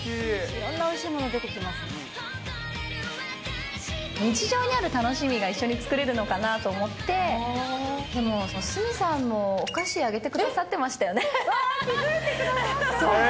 いろんなおいしいもの、日常にある楽しみが一緒に作れるのかなと思って、でも、鷲見さんもお菓子上げてくださってましたよね？